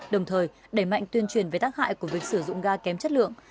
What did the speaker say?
đồng thời đẩy mạnh tuyên truyền về tác hại của việc sử dụng ga kém chất lượng